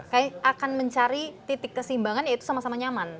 kayaknya akan mencari titik kesimbangan yaitu sama sama nyaman